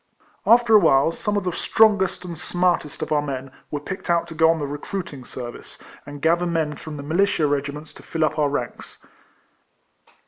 After awhile, some of the strongest and smartest of our men were picked out to go on the recruiting service, and gather men from the militia regiments to fill up our ranks.